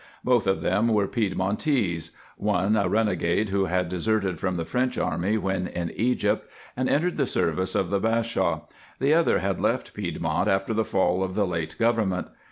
Both of them were Piedmontese. One a renegado who had deserted from the French army when in Egypt, and entered the service of the Bashaw ; the other had left Piedmont after the fall of the late government.